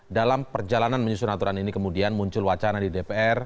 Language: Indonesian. dalam perjalanan menyusun aturan ini kemudian muncul wacana di dpr